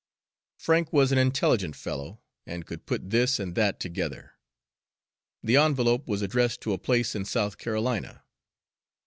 Frank was an intelligent fellow, and could put this and that together. The envelope was addressed to a place in South Carolina.